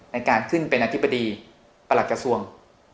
ในการขึ้นเป็นอธิบดีประหลัดกระทรวง